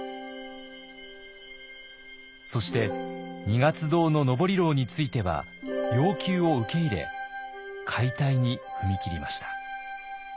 そして二月堂の登廊については要求を受け入れ解体に踏み切りました。